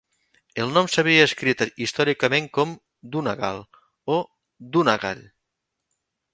El nom s'havia escrit històricament com "Dunnagall" o "Dunagall".